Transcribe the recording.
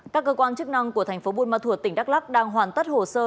các cơ quan chức năng của thành phố buôn ma thuột tỉnh đắk lắc đang hoàn tất hồ sơ